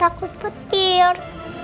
aku mau tidur